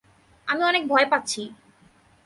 আমি অনেক ভয় পাচ্ছি।